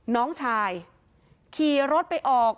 น้องชายขี่รถไปออก